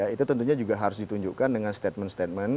itu tentunya juga harus ditunjukkan dengan statement statement